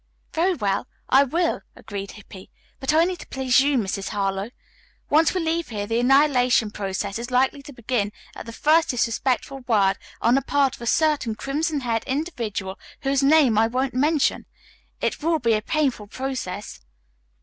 "Very well, I will," agreed Hippy, "but only to please you, Mrs. Harlowe. Once we leave here, the annihilation process is likely to begin at the first disrespectful word on the part of a certain crimson haired individual whose name I won't mention. It will be a painful process."